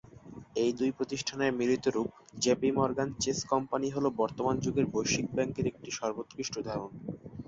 এই দুই প্রতিষ্ঠানের মিলিত রূপ জেপি মর্গান চেস কোম্পানি হল বর্তমান যুগের বৈশ্বিক ব্যাংকের একটি সর্বোৎকৃষ্ট উদাহরণ।